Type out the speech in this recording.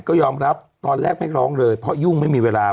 ก็ยอมรับตอนแรกไม่ร้องเลยเพราะยุ่งไม่มีเวลา